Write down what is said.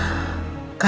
kayaknya bapak juga salah